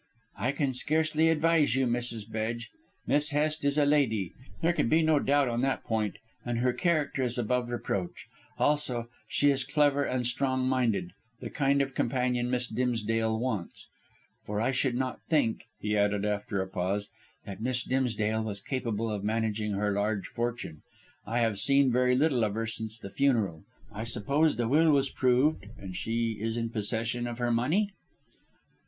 "I can scarcely advise you, Mrs. Bedge. Miss Hest is a lady there can be no doubt on that point and her character is above reproach; also, she is clever and strong minded, the kind of companion Miss Dimsdale wants. For I should not think," he added after a pause, "that Miss Dimsdale was capable of managing her large fortune. I have seen very little of her since the funeral. I suppose the will was proved and she is in possession of her money?"